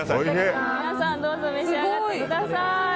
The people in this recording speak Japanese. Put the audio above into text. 皆さんどうぞ召し上がってください。